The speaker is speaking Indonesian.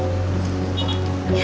aduh apa kamu tersisima